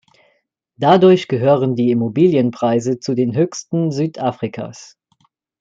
Dadurch gehören die Immobilienpreise zu den höchsten Südafrikas.